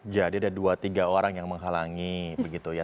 jadi ada dua tiga orang yang menghalangi begitu ya